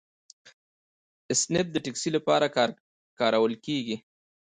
اسنپ د ټکسي لپاره کارول کیږي.